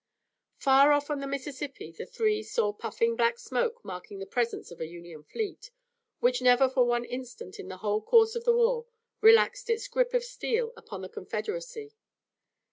Far off on the Mississippi the three saw puffing black smoke marking the presence of a Union fleet, which never for one instant in the whole course of the war relaxed its grip of steel upon the Confederacy.